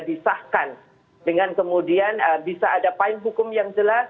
disahkan dengan kemudian bisa ada payung hukum yang jelas